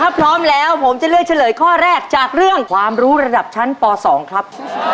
ถ้าพร้อมแล้วผมจะเลือกเฉลยข้อแรกจากเรื่องความรู้ระดับชั้นป๒ครับ